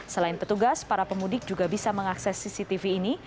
selain petugas para pemudik juga bisa mengakses cctv ini